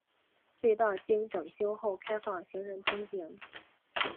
隧道经整修后开放行人通行。